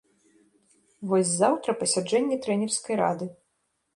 Вось заўтра пасяджэнне трэнерскай рады.